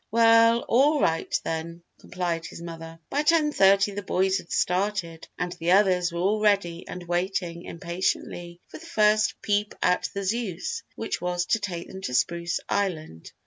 "Well, all right, then," complied his mother. By ten thirty the boys had started and the others were all ready and waiting impatiently for the first peep at the Zeus which was to take them to Spruce Island.